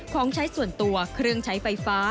ของใช้ส่วนตัวเครื่องใช้ไฟฟ้า